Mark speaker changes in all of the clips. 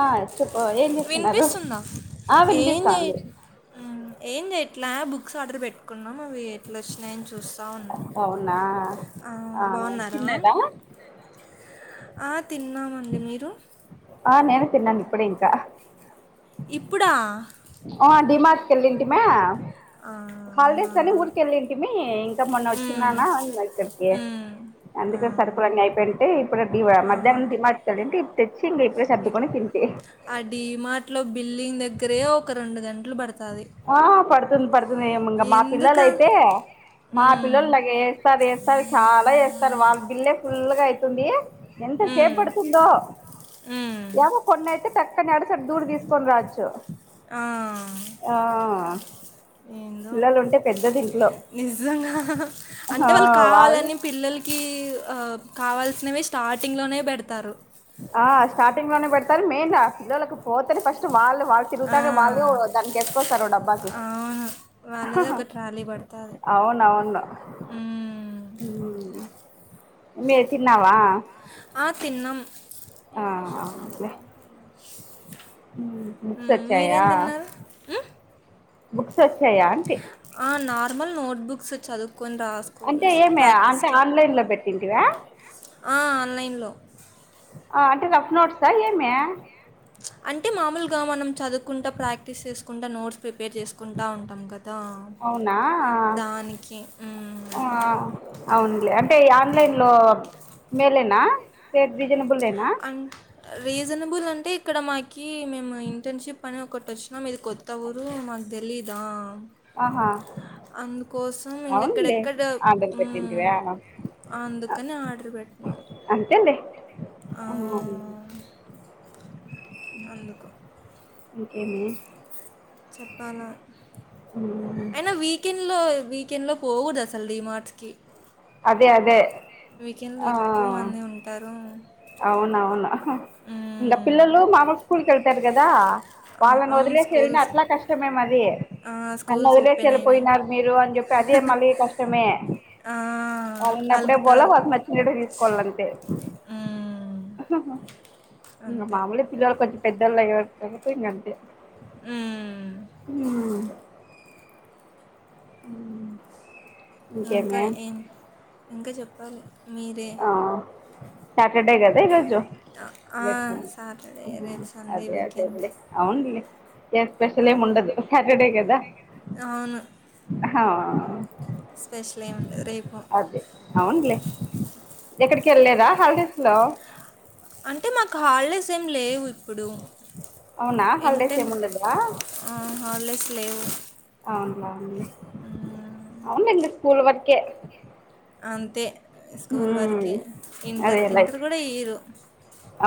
Speaker 1: ఆ చెప్ప ఏం చేస్తున్నారు
Speaker 2: వినిపిస్తుందా
Speaker 1: ఆ వినిపిస్తాంది
Speaker 2: ఏంచేయట్లే బుక్స్ ఆర్డర్ పెట్టుకున్నాం అవి ఎట్లా వచ్చినాయని చూస్త బాగుణ్ణు
Speaker 1: అవునా
Speaker 2: ఆ బావున్నార ఆ తిన్నామండి మీరు
Speaker 1: ఆ నేనే తిన్నాను ఇప్పుడే ఇంకా
Speaker 2: ఇప్పుడా
Speaker 1: ఆ డిమార్ట్ కెళ్ళుంటిమె
Speaker 2: ఆ, అవునా
Speaker 1: హాలిడేస్ అని ఊరికి వెళ్ళింటిమి ఇంకా మొన్న
Speaker 2: మ్మ్.
Speaker 1: వచ్చిన్నానా ఇ ఇక్కడికి
Speaker 2: మ్మ్. ఆ.
Speaker 1: అందుకే సరుకులన్ని అయిపోయింటే ఇప్పుడు దివా
Speaker 2: ఆహా
Speaker 1: మద్యానం డిమార్ట్కెలుంటే
Speaker 2: ఆ డీమార్ట్ లో బిల్డింగ్ దగ్గరే ఒక రెండు గంటలు బాడ్
Speaker 1: ఆ పడుతుంది పడుతుంది ఏమిం మా
Speaker 2: ఎందుక
Speaker 1: పిల్లలైతే మా
Speaker 2: మ్మ్.
Speaker 1: పిల్లలు లాగ ఎస్తారు ఎస్తారు చాలా ఎస్తారు వాళ్ళ బిల్లే ఫుల్గా అవుతుంది ఎంత
Speaker 2: మ్మ్.
Speaker 1: సేప్పడుతుందో
Speaker 2: మ్మ్.
Speaker 1: ఎవో కొన్నాతే చక్కని ఏడాసోటా దూరి తీసుకొని రాచ్చు
Speaker 2: ఆ
Speaker 1: ఆ
Speaker 2: ఏందో
Speaker 1: పిల్లలు ఉంటే పెద్దబిల్లు
Speaker 2: నిజంగా అంటే వాళ్ళు కావాలని పిల్లల్కి కావల్సినవి స్టార్టింగ్లోనే పెడతారు
Speaker 1: ఆ స్టార్టింగ్లోనే పెడతారు మెయిన్ ఆ పిల్లలకు పోతేనే ఫస్ట్ వాళ్ళ వాళ్ళు
Speaker 2: ఆ,
Speaker 1: తిరుగుతానే వాళ్ళే దానికి ఎసుకొస్తారు డబ్బాకి
Speaker 2: అవును వాళ్ళదే ఒక ట్రాలీ పడతది
Speaker 1: అవునవును
Speaker 2: ఉమ్
Speaker 1: ఎమ్మే తిన్నావా
Speaker 2: ఆ తిన్నం
Speaker 1: ఆ అవునులే బుక్స్ వచ్చాయా
Speaker 2: మ్మ్?
Speaker 1: బుక్స్ వచ్చాయా అంటి
Speaker 2: ఆ నార్మల్ నోట్బుక్స్ చదువు
Speaker 1: అంటే ఏమే అంటే ఆన్లైన్ లో పెట్టింటివా
Speaker 2: ఆన్లైన్లో
Speaker 1: అంటే రఫ్ నోట్సా ఏమే
Speaker 2: అంటే మామూలుగా మనం చదువుకుంటా ప్రాక్టీస్ చేసుకుంటా నోట్స్ ప్రి పేర్ చేసుకుంటూ ఉంటాం కదా
Speaker 1: అవునా
Speaker 2: దానికి హ్మ్మ్
Speaker 1: అవునులే అంటే ఆన్లైన్ లో మేలనా పెర్థి
Speaker 2: అన్ రీజనబుల్ అంటే ఇక్కడ మాకీ మేము ఇంటర్న్షిప్ అని ఒకటచ్చినం ఇది కొత్త ఊరు మాక్ తెలీదా
Speaker 1: ఆహా
Speaker 2: అందుకోసం ఇంగ
Speaker 1: అవునులే
Speaker 2: ఇక్కడెక్కడ
Speaker 1: ఆర్డర్
Speaker 2: మ్
Speaker 1: పెట్టింటివా
Speaker 2: అందుకనే ఆర్డర్ పెట్టినాం. ఆ,
Speaker 1: అవున్ మరీ
Speaker 2: అందుకు
Speaker 1: ఇంకేమే
Speaker 2: చెప్పాలా అయినా వీకెండ్లో వీ కెండ్లో పోకూడద్ అసల్ డీ మార్ట్స్ కి
Speaker 1: అదే అదే
Speaker 2: వీకెండ్లో
Speaker 1: ఆ
Speaker 2: ఎక్కు మంది ఉంటారు.
Speaker 1: అవునవును అహ ఇంగ
Speaker 2: మ్మ్.
Speaker 1: పిల్లలు మా వోల్ స్కూల్కెళ్తారు గదా
Speaker 2: ఆ,
Speaker 1: వాళ్ళన్
Speaker 2: అవును
Speaker 1: వదిలేసి వెళ్ళిన
Speaker 2: స్కూల్స్
Speaker 1: అట్లా కష్టమే మది
Speaker 2: ఆ,
Speaker 1: నన్
Speaker 2: స్కూల్స్
Speaker 1: వదిలేస్
Speaker 2: ఓపెన్
Speaker 1: ఎళ్ళి
Speaker 2: అయినాయి
Speaker 1: పోయినారు మీరు అని జెప్పి అదే మళ్ళీ కష్టమే
Speaker 2: ఆ,
Speaker 1: ఆ ఉన్నప్పుడే పోవాల
Speaker 2: అలుగుతారు
Speaker 1: వాళ్ళక్ నచ్చినట్టే తీస్కోవాలంతే
Speaker 2: మ్మ్.
Speaker 1: ఇగ
Speaker 2: అంతే
Speaker 1: మామూలే పిల్లల్ కొంచెం పెద్దోళ్లయ్యే వరకు [inaudible] అంతే
Speaker 2: మ్
Speaker 1: మ్
Speaker 2: ఇంకా ఇన్ ఇంకా చెప్పాలి మీరే
Speaker 1: ఆ సాటర్డే కదా ఈరోజు రేప్ సాయం
Speaker 2: సాటర్డే రేపు సండే
Speaker 1: అదే
Speaker 2: వీకెండ్
Speaker 1: అదేలే అవున్లే ఇయాల స్పెషల్ ఏం ఉండదు సాటర్డే కదా హా
Speaker 2: స్పెషలేం ఉండద్ రేపు
Speaker 1: ఎక్కడికెళ్ళేదా హాలిడేస్లో
Speaker 2: అంటే మాక్ హాల్డేస్ ఏం లేవు ఇప్పుడు
Speaker 1: అవునా
Speaker 2: ఎన్
Speaker 1: హాలిడేస్
Speaker 2: టెన్
Speaker 1: ఏముండదా
Speaker 2: ఏ హాల్డేస్ లేవు.
Speaker 1: బాగుంది
Speaker 2: మ్మ్.
Speaker 1: అవున్ ఇంకా స్కూల్ వర్కే
Speaker 2: అంతే స్కూల్
Speaker 1: ఉమ్
Speaker 2: వర్కే ఇంటర్ ఇంటర్ కూడా ఇయ్యరు.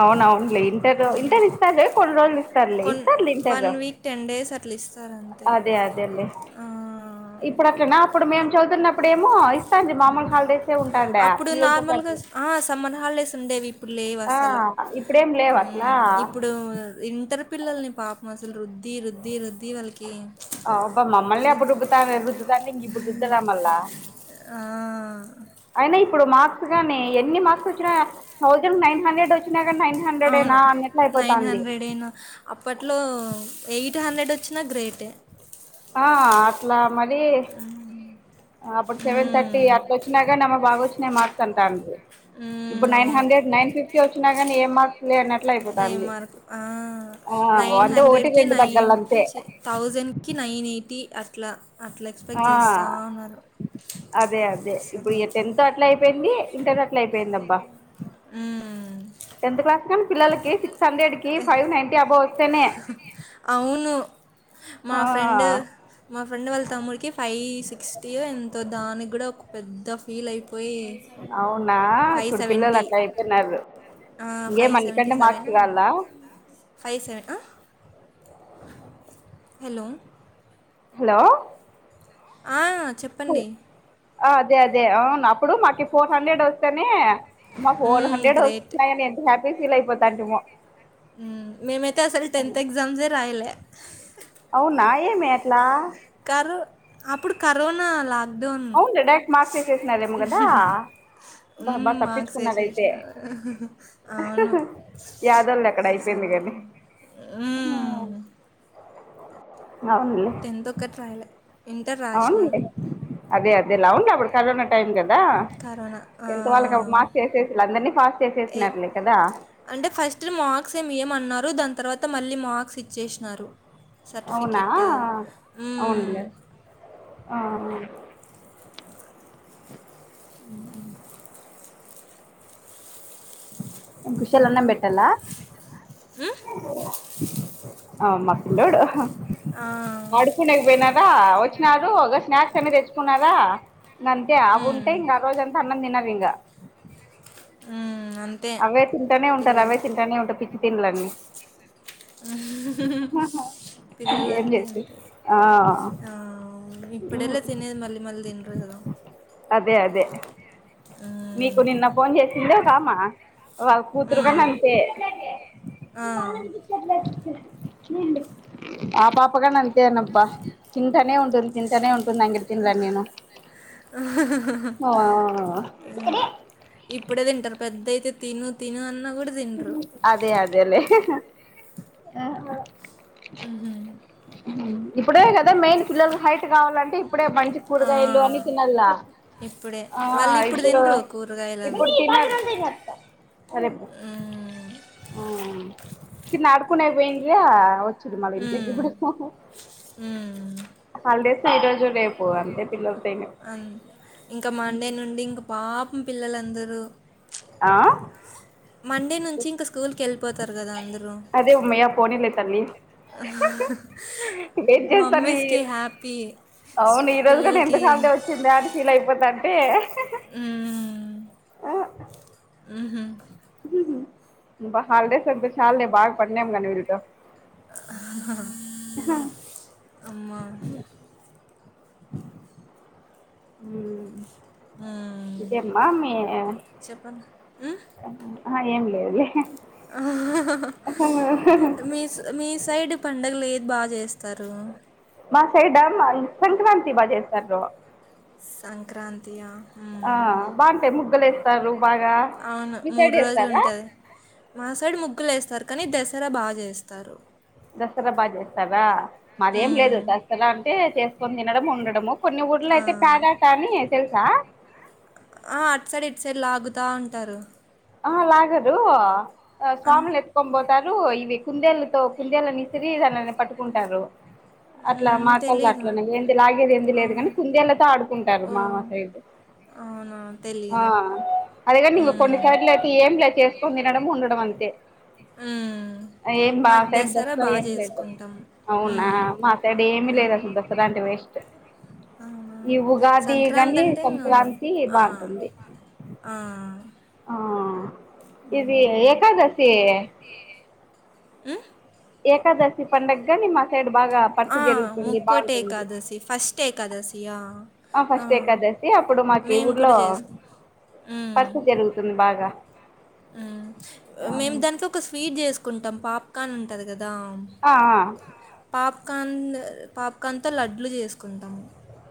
Speaker 1: అవున్ అవున్లే ఇంటర్ ఇంటర్ ఇస్తారు కొన్ రోజలు ఇస్తార్లే
Speaker 2: కొన్
Speaker 1: ఇస్తార్లే inter
Speaker 2: one week ten days అట్లా ఇస్తారంతే
Speaker 1: అదే అదేలే
Speaker 2: ఆ
Speaker 1: ఇప్పుడు అట్లనా అప్పుడు మేము చదువుతున్నప్పుడేమో ఇస్తాండి మామూలు హాలిడేసే ఉంటాండే
Speaker 2: అప్పుడు
Speaker 1: పిల్లలతో
Speaker 2: నార్మల్గా
Speaker 1: పాటు
Speaker 2: ఆ సమ్మర్ హాల్డేస్ ఉండేవి ఇప్పుడు
Speaker 1: ఆ
Speaker 2: లేవస ల
Speaker 1: ఇప్పుడేం లేవు అట్లా
Speaker 2: మ్ ఇప్పుడు ఇంటర్ పిల్లల్ని పా పం అసల్ రుద్ది రుద్ది రు
Speaker 1: అవ్ అబ్బ మమ్మల్నే అప్పుడు రుబ్బుతా రుద్దుతాంటే ఇంకిప్పుడు రుద్దరా మళ్ళా అయినా ఇప్పుడు మాక్ గానీ ఎన్ని మార్స్ వచ్చినా థౌసండ్కి నైన్ హండ్రెడ్ వచ్చినా కానీ నైన్
Speaker 2: అవును
Speaker 1: హండ్రెడేనా అన్నట్లు
Speaker 2: నైన్
Speaker 1: అయిపోతాంది
Speaker 2: హండ్రెడేన అప్పట్లో ఎయి ట్ హండ్రెడ్ వచ్చినా గ్రేటే
Speaker 1: ఆ అట్లా మరీ అప్పుడు సెవెన్ థర్టీ
Speaker 2: మ్మ్.
Speaker 1: అట్లొచ్చిన గని ఆమె బాగొచ్చినయి మార్క్స్ అంటాంటి.
Speaker 2: మ్మ్,
Speaker 1: ఇప్పుడు నైన్
Speaker 2: అవును
Speaker 1: హండ్రెడ్, నైన్ ఫిఫ్టీ వచ్చినా కాని ఏం మార్క్స్ లే అన్నట్
Speaker 2: ఏ మార్క్ ఆ నైన్
Speaker 1: అంటే ఒకటి
Speaker 2: హండ్రెడ్కి
Speaker 1: రెండు
Speaker 2: నైన్
Speaker 1: తగ్గాలి అంతే
Speaker 2: చి థౌజండ్కి నైన్ ఎయి టీ అట్ల అట్ల ఎక్స్పెక్ట్
Speaker 1: ఆ
Speaker 2: చేస్తా ఉన్నారు.
Speaker 1: అదే అదే
Speaker 2: అసలు
Speaker 1: ఇప్పుడిగ టెన్త్ అట్ల అయిపోయింది ఇంటర్ అట్లా అయిపోయిందబ్బా.
Speaker 2: మ్మ్.
Speaker 1: టెన్త్ క్లాస్ కానీ పిల్లలకి సిక్స్ హండ్రెడ్కి
Speaker 2: టెన్-
Speaker 1: ఫైవ్ నైన్టీ అబవ్
Speaker 2: అవును మా ఫ్రెండ్
Speaker 1: ఆ
Speaker 2: మా ఫ్రెండ్ వాళ్ళ తమ్ముడికి ఫైవ్ సిక్స్టీవో ఎంతో దానిక్ గుడా ఒక పెద్ద ఫీల్ అయి
Speaker 1: అవునా చూడు పిల్లలు అట్ట అయిపోయిన్నారు
Speaker 2: five seventy seven five seven hello
Speaker 1: hello
Speaker 2: ఆ
Speaker 1: హలో.
Speaker 2: చెప్పండి
Speaker 1: అదే అదే అవును అప్పుడు మాకి ఫోర్ హండ్రెడ్ వస్తేనే మాకు ఫోర్
Speaker 2: హ్మ్.
Speaker 1: Hundred
Speaker 2: great.
Speaker 1: వస్తున్నాయని ఎంత హ్యాపీ ఫీల్ అయిపోతా అంటమో
Speaker 2: మేమైతే అసలు టెన్త్ ఎగ్జామ్స్ రాయలే
Speaker 1: అవునా ఏమీ అట్లా
Speaker 2: క అప్పుడు కరోనా లా
Speaker 1: అవును డైరెక్ట్ మార్చేసేసినారేమో కదా బా
Speaker 2: ఉమ్
Speaker 1: బా
Speaker 2: మార్క్స్
Speaker 1: తప్పించుకున్నారైతే
Speaker 2: వేసేసిన అవును
Speaker 1: యాదోళ్ళు అక్కడ అయిపోయింది
Speaker 2: అసలు
Speaker 1: కానీ హ్మ్,
Speaker 2: ఉమ్ టెన్త్ ఒక్కటీ రాయలే ఇంటర్
Speaker 1: అవునడి
Speaker 2: రాసినాం.
Speaker 1: అదే అదేలావుండి అప్పుడు కరోనా టైం కదా
Speaker 2: కరోనా.
Speaker 1: టెన్త్ వాళ్ళకి
Speaker 2: ఆ!
Speaker 1: మార్క్స్ చేసేస అందరినీ పాస్
Speaker 2: ఏ
Speaker 1: చేసేసినట్లే కదా
Speaker 2: అంటే ఫస్ట్ మార్క్స ఏమి ఏమన్నారు దాని తర్వాత మళ్ళీ మార్క్స్ ఇచ్చేసినారు
Speaker 1: అవునా
Speaker 2: సార్టిఫికేట్ ఉమ్మ్
Speaker 1: అవునులే ఆ అ కుఖషాల అన్నం
Speaker 2: ఇంకా
Speaker 1: పెట్టలా
Speaker 2: మ్మ్?
Speaker 1: ఆ మా పిల్లోడు
Speaker 2: ఆ,
Speaker 1: ఆడుకునేకపోయినారా వచ్చినడు ఒక స్నాక్స్ అనే తెచ్చుకున్నారా ఇంకా అంతే
Speaker 2: మ్మ్.
Speaker 1: అవుంటేయ్ ఇంకా ఆ రోజ అంతా అన్నం తిన్నారు ఇంకా
Speaker 2: ఉ
Speaker 1: అవే తింటూనే ఉంటారు అవే తింటానే ఉంటాయి పిచ్చి తింలన్నీ
Speaker 2: పిల్లలు
Speaker 1: ఏం
Speaker 2: అంతే
Speaker 1: చేసి ఆ
Speaker 2: ఆ ఇప్పుడెలా తినేది మళ్ళీ మళ్ళీ తినరు కదా
Speaker 1: అదే అదే మీకు
Speaker 2: మ్మ్.
Speaker 1: నిన్న ఫోన్ చేసిందే ఒకమా వాళ్ళ కూతురు కన్నా
Speaker 2: మ్మ్.
Speaker 1: అంతే
Speaker 2: ఆ.
Speaker 1: ఆ పాపగా న అంతేనబ్బా తింటనే ఉంటుంది తింటనే ఉంటుంది తింటూనే ఉంటుంది అండి తిండులు అనిను
Speaker 2: ఇప్పుడే తింటారు పెద్దయితే తిను తిను అన్నా కూడా తినరు
Speaker 1: అదే అదేలే
Speaker 2: మ్హూ.
Speaker 1: ఇప్పుడే కదా మెయిన్ పిల్లలు హైట్ కావాలంటే ఇప్పుడే మంచి
Speaker 2: ఆ,
Speaker 1: కూరగాయల్లు అని తినల్లా
Speaker 2: ఇప్పుడే
Speaker 1: ఆ
Speaker 2: వాళ్ళు
Speaker 1: ఇప్పుడు
Speaker 2: తినరు కూరగాయలు అవి
Speaker 1: ఇప్పుడు తిన తినత్త సరే
Speaker 2: మ్మ్.
Speaker 1: కన్నా ఆడుకనే పోయిందయా చిమాలంతకి
Speaker 2: మ్మ్.
Speaker 1: ఇప్పుడె ఫోన్
Speaker 2: మ్మ్.
Speaker 1: హోలీడే ఈరోజు రేపు అంటే పిల్లలు
Speaker 2: అ ఇంకా మండే నుండి ఇంకా పాపం పిల్లలందరూ
Speaker 1: ఆ
Speaker 2: మండే నుంచి ఇంకా స్కూల్కి వెళ్ళిపోతారు కదా అందరూ
Speaker 1: తన్ని ఏం చేస్తారు
Speaker 2: మమ్మీస్కి హ్యాపీ
Speaker 1: అవును ఈ రోజు కూడా
Speaker 2: పిల్లలకి
Speaker 1: ఎంతకామిడి వచ్చింద అని ఫీల్ అయిపో దంటే
Speaker 2: ఉహు
Speaker 1: ఈ పాప కి హాలడేస్ వస్తే చాలే బాగా పట్నాం గానీ వీడితో
Speaker 2: ఆహ్ అమ్మ
Speaker 1: మ్
Speaker 2: మ్మ్.
Speaker 1: ఇంకేంమా మీ
Speaker 2: చెప్పను
Speaker 1: ఆ ఏం లేద్లే
Speaker 2: అహ్హ్హ్ మీ మీ సైడ్ పండగ లేదు బా చేస్తారు
Speaker 1: మా సైడ మన్ సంక్రాంతి బా చేస్తారు.
Speaker 2: సంక్రాంతియా
Speaker 1: ఆ
Speaker 2: మ్
Speaker 1: బాగుంటాయి ముగ్గులు వేస్తారు బాగా
Speaker 2: అవును
Speaker 1: మీ
Speaker 2: మూడు
Speaker 1: సైడ్
Speaker 2: రోజులు
Speaker 1: చేస్తారా
Speaker 2: ఉంటది మా సైడు ముగ్గులు వేస్తారు. కాని దసరా బాగా చేస్తారు.
Speaker 1: దసరా బాగా చేస్తారా మాదేం లేదు
Speaker 2: మ్మ్.
Speaker 1: దసరా అంటే చేసుకొని తినడం ఉండడము. కొన్ని ఊర్ల
Speaker 2: ఆ.
Speaker 1: అయితే పేడట అని తెలుసా?
Speaker 2: ఆ అటు సైడ్ ఇటు సైడ్ లాగుతా ఉంటారు
Speaker 1: అలాగదు
Speaker 2: ఆ,
Speaker 1: స్వామిలు ఎత్కొబోద్ తను ఇవి కుందేలతో కుందేలుని ఇసిరి దానిని పట్టుకుంటారు. అట్లా
Speaker 2: మ్మ్,
Speaker 1: మా కళ్ళు
Speaker 2: తెలీదు
Speaker 1: అట్లనే ఏంది లాగేది ఏంది
Speaker 2: ఆ,
Speaker 1: లేదు కాని కుందేళ్లతో ఆడుకుంటారు మా మా సైడ్
Speaker 2: ఆ
Speaker 1: ఆ అదేగాని కొన్ని
Speaker 2: మ్మ్.
Speaker 1: సర్లే లేయితే ఏం లేదు చేసుకుని తినడం ఉండడం అంతే.
Speaker 2: ఉ
Speaker 1: ఏం బా సైడ్ దసరా ఏమి లేదు
Speaker 2: జేసుకుంటాం.
Speaker 1: అవునా
Speaker 2: హ్మ్.
Speaker 1: మా సైడ్ ఏమి
Speaker 2: హ్మ్.
Speaker 1: లేదు అసలు దసరా అంటే వేస్టు
Speaker 2: అవునా సంక్రాంతి
Speaker 1: గాని
Speaker 2: అంటే ఇంగ మెము
Speaker 1: సంక్రాంతి
Speaker 2: ఆ
Speaker 1: బాగుంటుంది
Speaker 2: ఆ
Speaker 1: ఆ ఇది ఏకాదశి
Speaker 2: అ
Speaker 1: ఏకదశి పండగ్గాని మా సైడ్ బాగా పరుసు
Speaker 2: ఆ
Speaker 1: జరుగుతుంది
Speaker 2: ముక్కోటి
Speaker 1: బాగుంటుంది
Speaker 2: ఏకాదశి ఫస్ట్ ఏకాదశియా
Speaker 1: ఆ ఫస్ట్ ఏకాదశి అప్పుడు మాకి ఊర్లో
Speaker 2: జేసుకు
Speaker 1: పరిచ జరుగుతుంది బాగా
Speaker 2: మ్ మేము దాంట్ ఒక స్వీట్ చేసుకుంటాం పాప్కార్న్ ఉంటంది కదా దా
Speaker 1: ఆ
Speaker 2: పాప్కాన్ పాప్కాన్తో లడ్లు చేసుకుంటాం.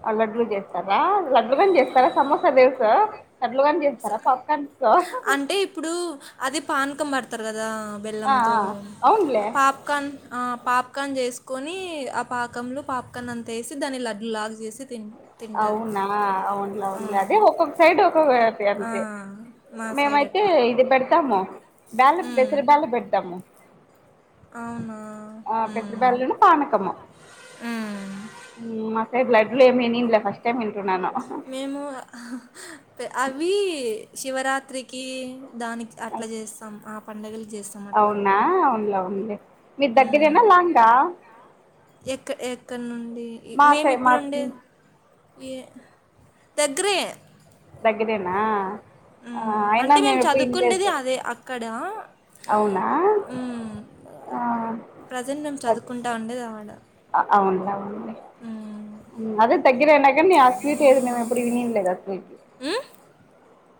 Speaker 1: ఆ లడ్లు చేస్తారా లడ్లు గాని చేస్తారా సమోసా తెలుసు లడ్లు గాని చేస్తారా పాపకార్న్
Speaker 2: అంటే ఇప్పుడు అది పానకం పడతారు కదా
Speaker 1: ఆ
Speaker 2: బెల్లంతో
Speaker 1: ఆ అవునులే
Speaker 2: పాప్కన్ అ పాప్ పకాన్ చేసుకొని ఆ పాకంలో పాపకన్ అంత వేసి దాన్ని లడ్ లాగ చేసి తిం తింటారు
Speaker 1: అవునా అవునులా
Speaker 2: ఆ,
Speaker 1: అవునులే అదే ఒక్కొక్క సైడ్ ఒక్కొక్క
Speaker 2: ఆ,
Speaker 1: గంతే
Speaker 2: మా సైడ్
Speaker 1: మేమైతే
Speaker 2: అట్లా
Speaker 1: ఇది పెడతాము బేళ
Speaker 2: ఉమ్,
Speaker 1: బసరి బేళ పెడతాము.
Speaker 2: అవునా
Speaker 1: ఆ పెసర
Speaker 2: ఉమ్,
Speaker 1: బేళ్లు పానకం
Speaker 2: ఉమ్.
Speaker 1: మ్మ్ లడ్లులే మీని
Speaker 2: మేము అవి శివరాత్రికి దానికి అట్లా చేస్తాం ఆ పండుగలు చేస్తాం అట్లా
Speaker 1: మీద్ దగ్గరేనా లాంగా
Speaker 2: ఎక్క ఎక్కడ నుండి
Speaker 1: మా
Speaker 2: మేము
Speaker 1: సై
Speaker 2: ఇప్పుడు
Speaker 1: మాకు
Speaker 2: ఉండేది ఏ దగ్గరే
Speaker 1: దగ్గరేనా ఆ
Speaker 2: మ్మ్.
Speaker 1: అయినా
Speaker 2: అంటే
Speaker 1: మేము ఎప్పుడు ఇంటిేదు
Speaker 2: హ్మ్
Speaker 1: ఆ
Speaker 2: ప్రజెంట్ మేము చదువుకుంటా ఉండేది అడా
Speaker 1: అవునువును అదే తగ్గరయినా కానీ ఆ స్వీట్ ఏదో మేము ఎప్పుడు వినింలేదు ఆ స్వీట్ కి
Speaker 2: మ్మ్?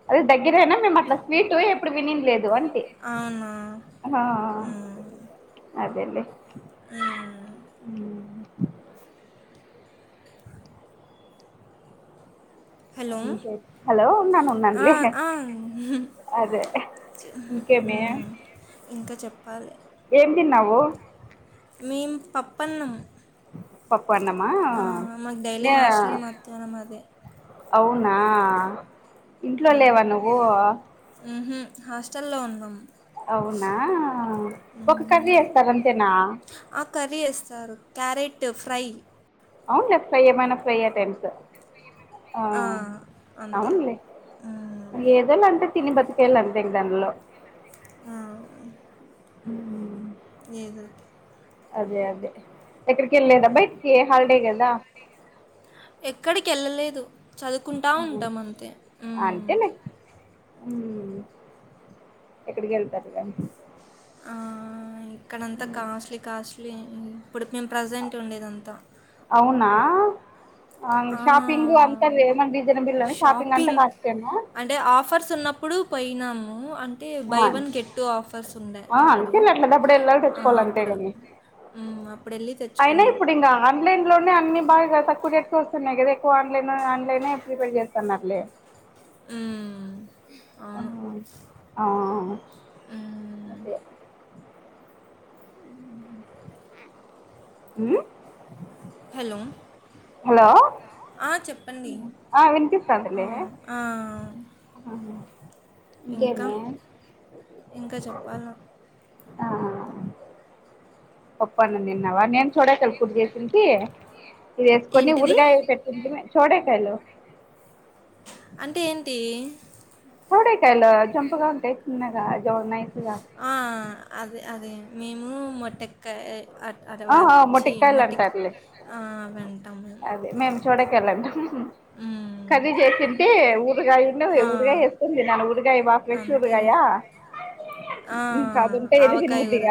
Speaker 1: అదే దగ్గరైనా మేము అట్లా స్వీట్ ఎప్పుడు వినింలేదు అంట్
Speaker 2: అవునా హ్మ్
Speaker 1: అదేలే
Speaker 2: అ
Speaker 1: ఉ
Speaker 2: హలో
Speaker 1: ఇంకే హలో ఉన్నాను
Speaker 2: ఆ,
Speaker 1: ఉన్నన్లే
Speaker 2: ఆ.
Speaker 1: అదే ఇంకేమే
Speaker 2: మ్మ్. ఇంకా చెప్పాలే
Speaker 1: తిన్నావు
Speaker 2: మేం పప్పన్నం
Speaker 1: పప్పునమా
Speaker 2: ఆ, మాకు డైలీ
Speaker 1: ఏ
Speaker 2: హాస్టల్ మధ్యాహ్నం అదే
Speaker 1: అవును ఆ ఇంట్లో లేవా నువ్వు
Speaker 2: మ్హూ. హాస్టల్లో ఉన్నాం
Speaker 1: అవునా ఒక కర్రీ
Speaker 2: మ్మ్.
Speaker 1: ఎస్తారాంతేనా
Speaker 2: ఆ కర్రీ ఎస్తారు క్యారెట్ ఫ్రై
Speaker 1: అవును జస్ట్ ఫ్రై ఏమైనా ఫ్రై ఐటమ్స్ ఆ
Speaker 2: అంతే
Speaker 1: అవునులే
Speaker 2: మ్మ్.
Speaker 1: ఏదోలే అంటే తిని బతికేయాలి అంతే దానిలో
Speaker 2: ఆ,
Speaker 1: ఉ
Speaker 2: ఏదోటి
Speaker 1: అదే అదే ఎక్కడికి ఎళ్ళలేదా బయటికి హాలిడే కదా
Speaker 2: ఎక్కడికి వెళ్ళలేదు చదువుకుంటా ఉంటాం అంతే
Speaker 1: హ్మ్ ఎక్కడికి ఎల్తార్లే
Speaker 2: ఆ ఇక్కడంతా కాస్ట్లీ కాస్ట్లీ ఇప్పుడ్కి మేము ప్రజెంట్ ఉండేదంతా
Speaker 1: ఔను
Speaker 2: ఆ,
Speaker 1: షాపింగ్ అంతా ఏమన్నా రీజనబుల్ షాపింగ్ అంతా కాస్ట్ ఏనా
Speaker 2: ఇప్పుడు పోనాము అం అంటే buy one get two offers ఉండే అప్పుడు
Speaker 1: అంతేలే అట్లా దప్పుడు వెళ్ళాలి తెచ్చుకోవాలి అంతే
Speaker 2: అప్పుడు
Speaker 1: కాని
Speaker 2: మ్మ్. అప్పుడు వెళ్ళి
Speaker 1: అయినా
Speaker 2: తెచ్చుకున్నాం
Speaker 1: ఇప్పుడు ఇగ ఆన్లైన్లోనే అన్ని బాగా తక్కువ వస్తున్నాయి కదా ఎక్కువ ఆన్లైన్ ఆన్లైనే ప్రిపేర్ చెత్తన్నారులే
Speaker 2: అ
Speaker 1: ఆ ఆ
Speaker 2: హ్మ్.
Speaker 1: అదే అ
Speaker 2: హలో
Speaker 1: హలో
Speaker 2: ఆ! చెప్పండి.
Speaker 1: ఆ
Speaker 2: ఆ!
Speaker 1: విన్పిస్తాదిలే
Speaker 2: ఆ!
Speaker 1: ఆహా
Speaker 2: ఇంకా?
Speaker 1: ఇంకేమే
Speaker 2: ఇంకా చెప్పాలా?
Speaker 1: ఆ పప్పునం తిన్నావా నేను చూడసలు కుర్ చేసింటి ఇది వేసుకొని
Speaker 2: ఏంటిది?
Speaker 1: ఊరగాయ పెట్టింటిమి చూడే కాలు
Speaker 2: అంటే ఏంటి?
Speaker 1: చోడకాలు జంపగా ఉంటాయి చిన్నగా జన్నాస
Speaker 2: ఆ! అదే అదే మేము మొట్టక్కయ అట
Speaker 1: ఆహా
Speaker 2: వచ్చి
Speaker 1: మొటిక్కాయలు
Speaker 2: మొటిక
Speaker 1: అంటారులే
Speaker 2: ఆ అంటాం
Speaker 1: అదే మేము చూడక వెళ్ళదు
Speaker 2: ఆ
Speaker 1: కర్రీ చేసింటే ఊరగాయని
Speaker 2: ఆ!
Speaker 1: ఊరగాయ వేస్తుంది నాన్న ఊరగాయ బాగా ఫ్రెష్
Speaker 2: అంతేలే.
Speaker 1: ఊరగాయ
Speaker 2: ఆ
Speaker 1: ఇంకా అది ఉంటే ఏది
Speaker 2: ఆవకాయ
Speaker 1: తినబుద్ది కాలే
Speaker 2: ఉర